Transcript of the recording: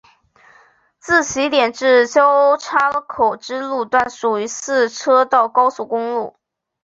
自起点至交叉口之路段属于四车道高速公路。